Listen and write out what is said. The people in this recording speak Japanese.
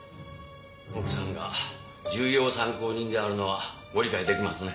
奥さんが重要参考人であるのはご理解できますね？